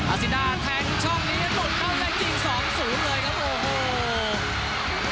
อาซิน่าแทงช่องนี้หลุดต้องได้จริง๒๐เลยครับโอ้โห